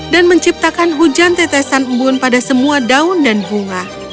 dan menciptakan hujan tetesan embun pada semua daun dan bunga